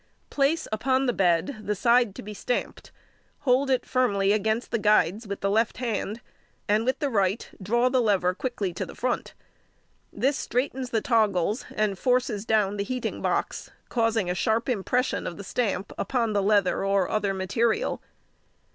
Place upon the bed the side to be stamped, hold it firmly against the guides with the left hand, and with the right draw the lever quickly to the front. This straightens the toggels and forces down the heating box, causing a sharp impression of the stamp upon the leather or other material.